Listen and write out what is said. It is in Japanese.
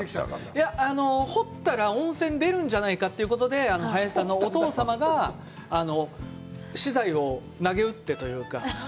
いや、掘ったら温泉出るんじゃないかということで、林さんのお父様が私財をなげうってというか。